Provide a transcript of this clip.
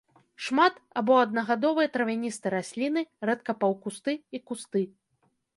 Шмат- або аднагадовыя травяністыя расліны, рэдка паўкусты і кусты.